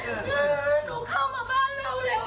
หนูเข้ามาบ้านเร็วไอ้พ่อ